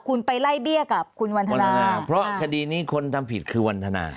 คุณไปไล่เบี้ยกับคุณวันทนาเพราะคดีนี้คนทำผิดคือวันทนา